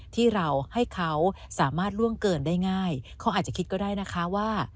ที่เราให้เขาสามารถล่วงเกินได้ง่ายเขาอาจจะคิดก็ได้นะคะว่า